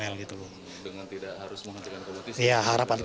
dengan tidak harus menghentikan kompetisi